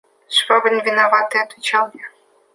– Швабрин виноватый, – отвечал я.